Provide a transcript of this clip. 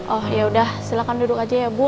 oh yaudah silahkan duduk aja ya bu